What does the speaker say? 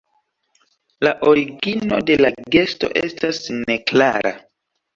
La origino de la gesto estas neklara.